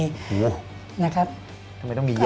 ทำไมต้องมีเย้บ